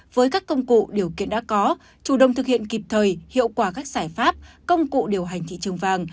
với các công cụ điều kiện đã có chủ động thực hiện kịp thời hiệu quả các giải pháp công cụ điều hành thị trường vàng